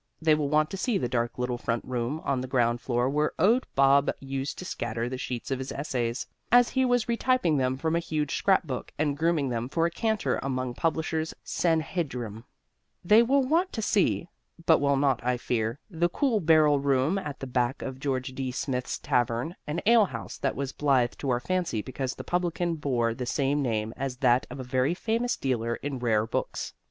They will want to see the dark little front room on the ground floor where Owd Bob used to scatter the sheets of his essays as he was retyping them from a huge scrapbook and grooming them for a canter among publishers' sanhedrim. They will want to see (but will not, I fear) the cool barrel room at the back of George D. Smith's tavern, an ale house that was blithe to our fancy because the publican bore the same name as that of a very famous dealer in rare books.